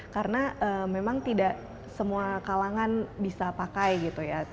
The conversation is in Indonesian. karena memang tidak semua kalangan bisa pakai gitu ya